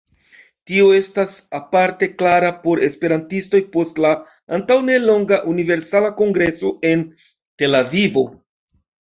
Tio estas aparte klara por esperantistoj post la antaŭnelonga Universala Kongreso en Tel-Avivo.